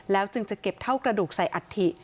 จึงจะเก็บเท่ากระดูกใส่อัฐิ